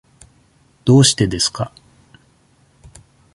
どうしてですか。